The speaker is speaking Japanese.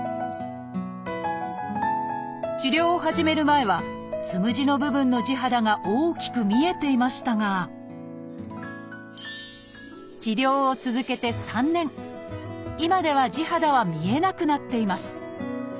治療を始める前はつむじの部分の地肌が大きく見えていましたが治療を続けて３年今では地肌は見えなくなっています。